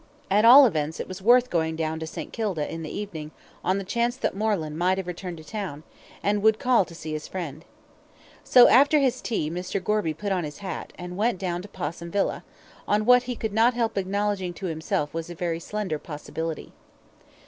At all events it was worth while going down to St. Kilda in the evening on the chance that Moreland might have returned to town, and would call to see his friend. So, after his tea, Mr. Gorby put on his hat, and went down to Possum Villa, on what he could not help acknowledging to himself was a very slender possibility. Mrs.